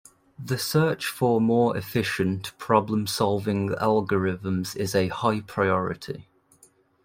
The search for more efficient problem-solving algorithms is a high priority.